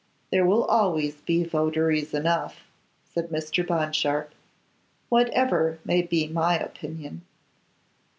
'There will always be votaries enough,' said Mr. Bond Sharpe, 'whatever may be my opinion.